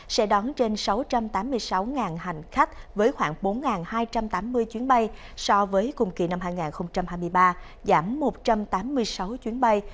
sẽ đón trên sáu trăm tám mươi sáu hành khách với khoảng bốn hai trăm tám mươi chuyến bay so với cùng kỳ năm hai nghìn hai mươi ba giảm một trăm tám mươi sáu chuyến bay